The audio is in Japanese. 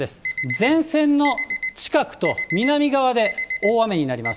前線の近くと南側で大雨になります。